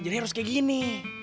jadi harus kayak gini